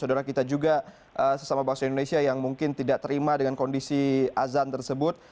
saudara kita juga sesama bangsa indonesia yang mungkin tidak terima dengan kondisi azan tersebut